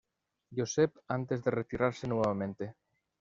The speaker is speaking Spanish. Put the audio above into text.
Joseph antes de retirarse nuevamente.